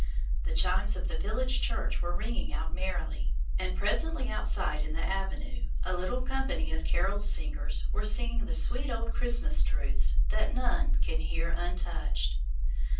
The chimes of the village church were ringing out merrily, and presently outside in the avenue a little company of carol singers were singing the sweet old Christmas truths that none can hear untouched.